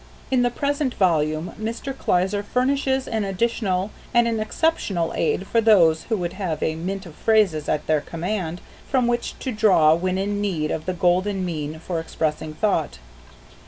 In the present volume Mr. Kleiser furnishes an additional and an exceptional aid for those who would have a mint of phrases at their command from which to draw when in need of the golden mean for expressing thought.